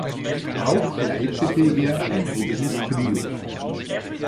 Auch leitete er ein eigenes Trio.